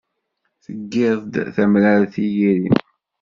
Tgiḍ-d tamrart i yiri-m.